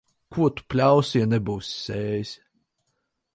Ko tu pļausi, ja nebūsi sējis.